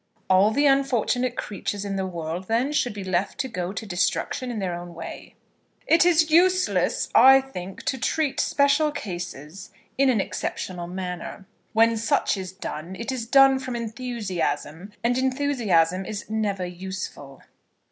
"All the unfortunate creatures in the world, then, should be left to go to destruction in their own way." "It is useless, I think, to treat special cases in an exceptional manner. When such is done, it is done from enthusiasm, and enthusiasm is never useful."